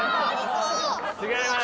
違います。